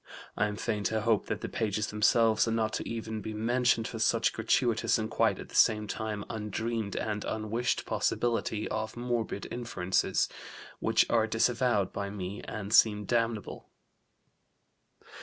I am fain to hope that the pages themselves are not to be even mentioned for such gratuitous and quite at the time undreamed and unwished possibility of morbid inferences which are disavowed by me and seem damnable."